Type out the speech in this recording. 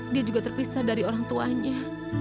dia juga terpisah dari orang tuanya